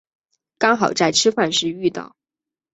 刚好在吃饭时遇到